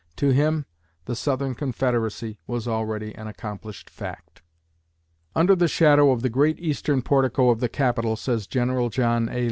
To him, the Southern Confederacy was already an accomplished fact." "Under the shadow of the great Eastern portico of the Capitol," says General John A.